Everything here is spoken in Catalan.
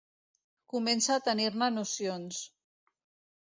Comença a tenir-ne nocions.